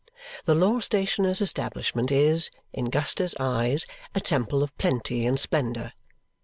The law stationer's establishment is, in Guster's eyes, a temple of plenty and splendour.